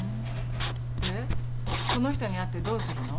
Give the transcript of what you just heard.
でその人に会ってどうするの？